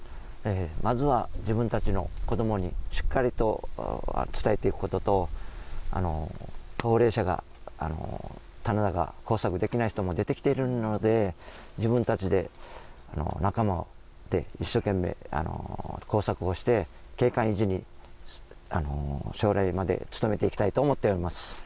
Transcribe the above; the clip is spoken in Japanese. まずは自分たちの子どもにしっかりと伝えていくことと、高齢者が、棚田が耕作できない人も出てきているので、自分たちで仲間と一生懸命耕作をして、景観維持に、将来まで努めていきたいと思っております。